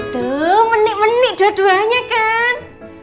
tuh menik menik dua duanya kan